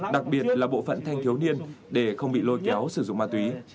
đặc biệt là bộ phận thanh thiếu niên để không bị lôi kéo sử dụng ma túy